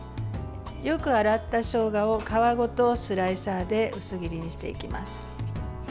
よく洗ったしょうがを皮ごとスライサーで薄切りにしていきます。